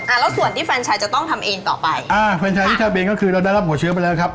แล้วส่วนที่แฟนชายจะต้องทำเองต่อไปอ่าแฟนชายที่ทำเองก็คือเราได้รับหัวเชื้อไปแล้วครับ